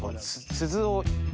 鈴を。